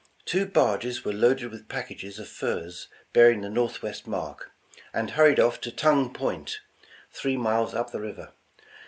Two barges were loaded with packages of furs bearing the Northwest mark, and hurried off to Tongue Point, three miles up the river.